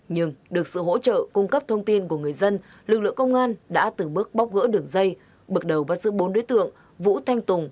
nhưng được sự hỗ trợ cung cấp thông tin của người dân lực lượng công an đã từng bước bóc gỡ đường dây bực đầu vào sự bốn đối tượng vũ thanh tùng